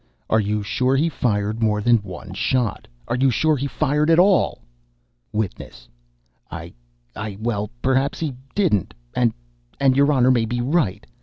"Are you sure he fired more than one shot? Are you sure he fired at all?" WITNESS. "I I well, perhaps he didn't and and your Honor may be right.